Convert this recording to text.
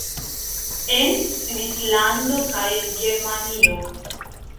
En Svislando kaj Germanio